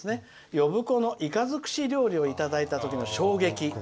「呼子のイカ尽くし料理をいただいたときの衝撃。